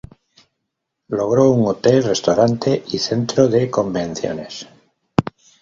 Logró un hotel, restaurante y centro de convenciones.